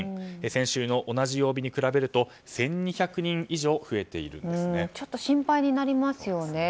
先週の同じ曜日に比べると１２００人以上ちょっと心配になりますよね。